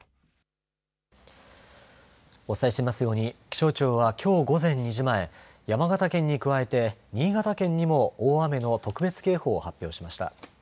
お伝えしていますように気象庁はきょう午前２時前山形県に加えて新潟県にも大雨の特別警報を発表しました。